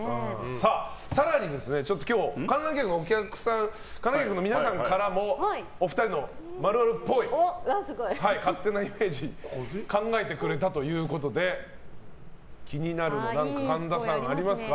更に、今日観覧客の皆さんからもお二人の○○っぽい勝手なイメージを考えてくれたということで気になるの何か神田さんありますか？